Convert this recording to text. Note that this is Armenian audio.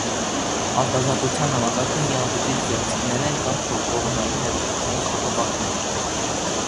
Արտաթորության համակարգը միաբջջի գեղձիկներն են կամ կողմնային, ներբջջային խողովակները։